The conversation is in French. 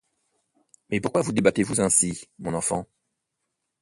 Mais pourquoi vous débattez-vous ainsi, mon enfant?